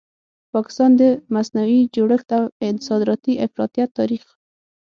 پاکستان؛ د مصنوعي جوړښت او صادراتي افراطیت تاریخ